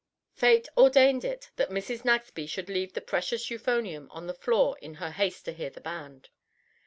Fate ordained it that Mrs. Nagsby should leave the precious euphonium on the floor in her haste to hear the band.